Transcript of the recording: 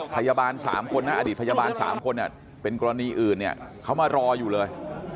พยาบาล๓คนนะอดีตพยาบาล๓คนเป็นกรณีอื่นเนี่ยเขามารออยู่เลย